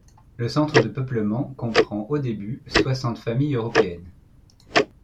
Le centre de peuplement comprend au début soixante familles européennes.